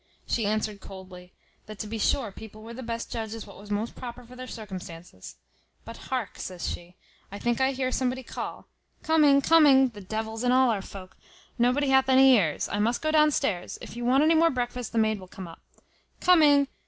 She answered coldly, "That to be sure people were the best judges what was most proper for their circumstances. But hark," says she, "I think I hear somebody call. Coming! coming! the devil's in all our volk; nobody hath any ears. I must go down stairs; if you want any more breakfast the maid will come up. Coming!"